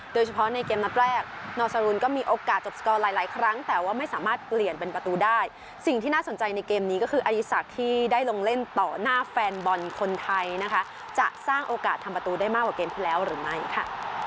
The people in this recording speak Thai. โดยเฉพาะในเกมนัดแรกนอสรุนก็มีโอกาสจบสกอร์หลายครั้งแต่ว่าไม่สามารถเปลี่ยนเป็นประตูได้สิ่งที่น่าสนใจในเกมนี้ก็คืออดีศักดิ์ที่ได้ลงเล่นต่อหน้าแฟนบอลคนไทยนะคะจะสร้างโอกาสทำประตูได้มากกว่าเกมที่แล้วหรือไม่ค่ะ